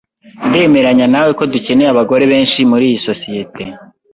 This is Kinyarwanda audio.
Ndemeranya nawe ko dukeneye abagore benshi muriyi sosiyete.